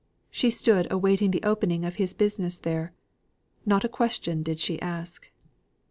She stood awaiting the opening of his business there. Not a question did she ask.